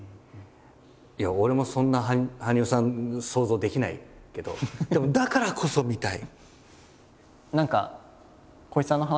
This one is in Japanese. いや俺もそんな羽生さん想像できないけどでもだからこそ見たい。